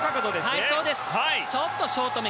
ちょっとショートめ。